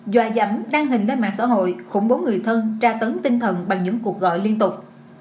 do dặm đăng hình lên mạng xã hội khủng bố người thân tra tấn tinh thần bằng những cuộc gọi liên tục